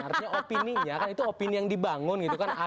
artinya opini nya itu opini yang dibangun